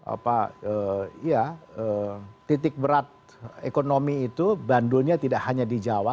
apa ya titik berat ekonomi itu bandulnya tidak hanya di jawa